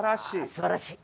すばらしい。